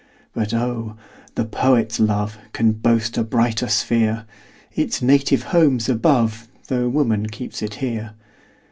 But oh! the poet's love Can boast a brighter sphere; Its native home's above, Tho' woman keeps it here.